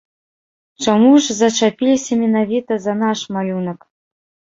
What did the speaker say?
Чаму ж зачапіліся менавіта за наш малюнак?